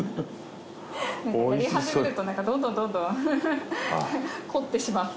やり始まるとどんどんどんどん凝ってしまって。